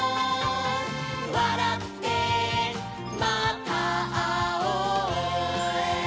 「わらってまたあおう」